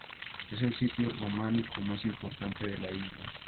Es el sitio románico más importante de la isla.